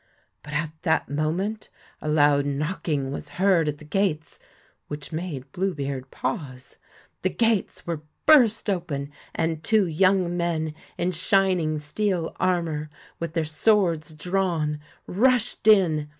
But at that moment a loud knocking was heard at the gates, which made Blue beard pause. The gates were burst open, and two young men in shining steel armour, with their swords drawn, rushed in.